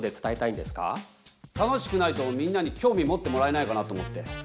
楽しくないとみんなに興味持ってもらえないかなと思って。